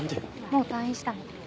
もう退院したの。